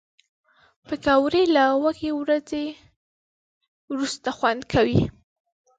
پکورې له وږې ورځې وروسته خوند کوي